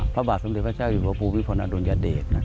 พระบาทสมดิตพระเจ้าหรือพระบุพิภนอดุลยเดช